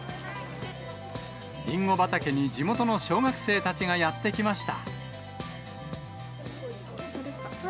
りんご畑に地元の小学生たちがやって来ました。